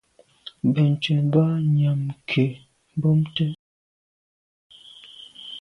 Benntùn boa nyàm nke mbùnte.